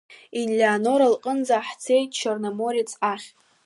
Елеонора лҟынӡа ҳцеит Черноморец ахь.